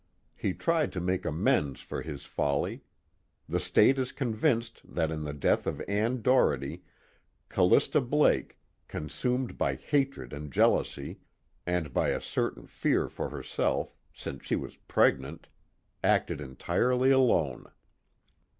He tried to make amends for his folly. The State is convinced that in the death of Ann Doherty, Callista Blake, consumed by hatred and jealousy and by a certain fear for herself, since she was pregnant acted entirely alone.